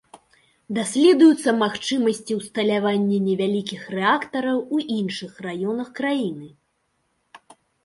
Даследуюцца магчымасці ўсталявання невялікіх рэактараў у іншых раёнах краіны.